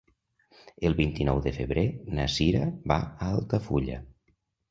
El vint-i-nou de febrer na Cira va a Altafulla.